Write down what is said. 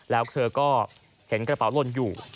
แล้วเธอก็เห็นกระเป๋าลนอยู่